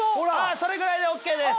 それぐらいでＯＫです。